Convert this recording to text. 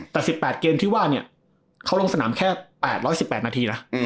แต่๑๘เกมที่ว่าเนี่ยเขาลงสนามแค่๘๑๘นาทีนะ